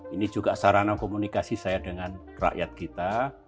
ini juga sarana komunikasi saya dengan rakyat kita